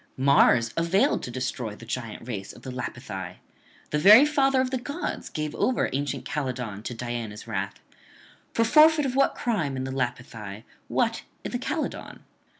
Mars availed to destroy the giant race of the Lapithae; the very father of the gods gave over ancient Calydon to Diana's wrath: for forfeit of what crime in the Lapithae, what in Calydon?